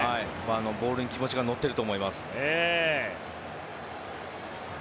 ボールに気持ちが乗ってると思います。